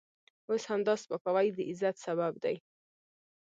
اوس همدا سپکاوی د عزت سبب دی.